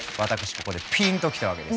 ここでピンときたわけですよ。